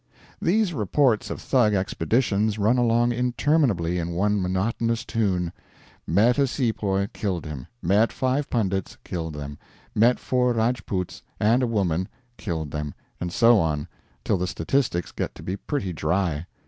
These reports of Thug expeditions run along interminably in one monotonous tune: "Met a sepoy killed him; met 5 pundits killed them; met 4 Rajpoots and a woman killed them" and so on, till the statistics get to be pretty dry.